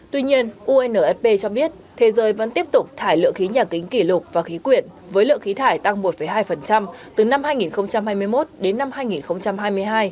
tuy nhiên unfp cho biết thế giới vẫn tiếp tục thải lượng khí nhà kính kỷ lục và khí quyển với lượng khí thải tăng một hai từ năm hai nghìn hai mươi một đến năm hai nghìn hai mươi hai